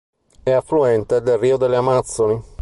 È affluente del Rio delle Amazzoni.